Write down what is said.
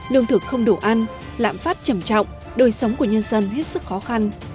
lương thực không đủ ăn lạm phát chẩm trọng đôi sống của nhân dân hết sức khó khăn